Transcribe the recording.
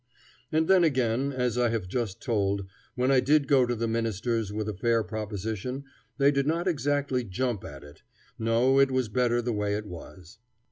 And then again, as I have just told, when I did go to the ministers with a fair proposition, they did not exactly jump at it. No, it was better the way it was.